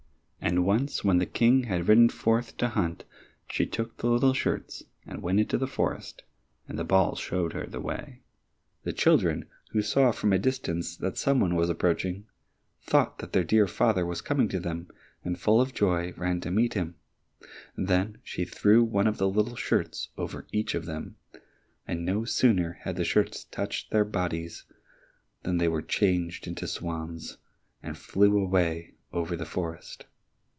And once when the King had ridden forth to hunt, she took the little shirts and went into the forest, and the ball showed her the way. The children, who saw from a distance that some one was approaching, thought that their dear father was coming to them, and full of joy, ran to meet him. Then she threw one of the little shirts over each of them, and no sooner had the shirts touched their bodies than they were changed into swans, and flew away over the forest.